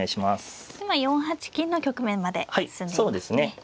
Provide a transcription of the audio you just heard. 今４八金の局面まで進んでいますね。